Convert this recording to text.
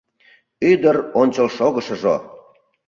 Ӱдыр ончылшогышыжо